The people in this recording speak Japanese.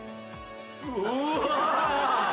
うわ！